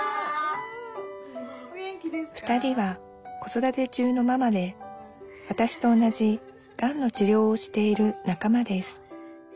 ２人は子育て中のママでわたしと同じがんの治療をしている仲間です